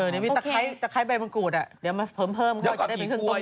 นี่มีตะไคร้ใบมันกรูดอะเดี๋ยวมาเพิ่มก็จะได้เป็นเครื่องต้มยำอะ